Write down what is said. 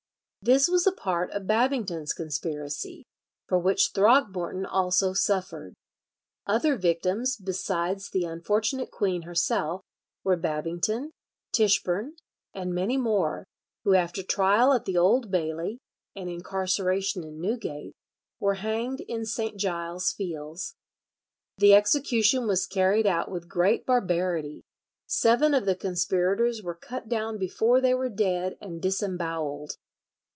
This was a part of Babington's conspiracy, for which Throgmorton also suffered. Other victims, besides the unfortunate queen herself, were Babington, Tichbourne, and many more, who after trial at the Old Bailey, and incarceration in Newgate, were hanged in St. Giles's Fields. The execution was carried out with great barbarity; seven of the conspirators were cut down before they were dead and disembowelled.